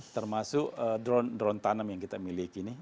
termasuk drone drone tanam yang kita miliki ini